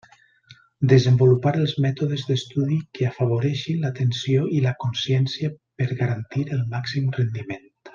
Desenvolupar els mètodes d'estudi que afavoreixin l'atenció i la consciència per garantir el màxim rendiment.